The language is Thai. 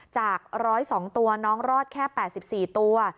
จาก๑๐๒ตัวน้องรอดแค่๘๔ตัว